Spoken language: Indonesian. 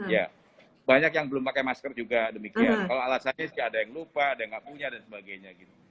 ya banyak yang belum pakai masker juga demikian kalau alasannya ada yang lupa ada yang nggak punya dan sebagainya gitu